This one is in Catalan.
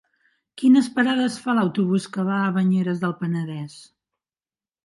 Quines parades fa l'autobús que va a Banyeres del Penedès?